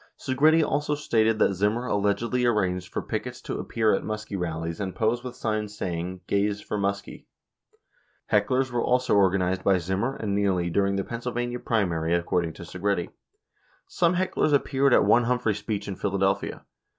18 Segretti also stated that Zimmer allegedly arranged for pickets to appear at Muskie rallies and pose with signs saying, "Gays for Muskie." 19 Hecklers were also organized by Zimmer and Nieley during the Pennsylvania primary according to Segretti. 20 Some hecklers ap peared at one Humphrey speech in Philadelphia.